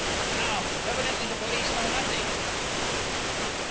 "No. Evidently the police know nothing."